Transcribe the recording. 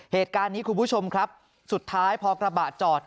เหตุการณ์นี้คุณผู้ชมครับสุดท้ายพอกระบะจอด